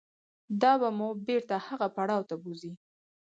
دا به مو بېرته هغه پړاو ته بوځي.